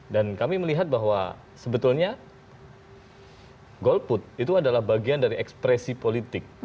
dan kami melihat bahwa sebetulnya golput itu adalah bagian dari ekspresi politik